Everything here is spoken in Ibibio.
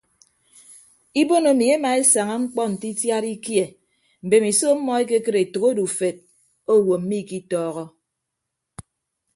Ibon emi emaesaña mkpọ nte itiad ikie mbemiso ọmmọ ekekịd etәk odufed owo mmikitọọhọ.